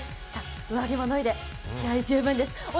上着も脱いで、気合い十分です。